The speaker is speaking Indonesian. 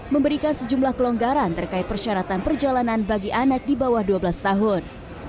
memberikan sejumlah kelonggaran terkait persyaratan perjalanan bagi anak di bawah dua belas tahun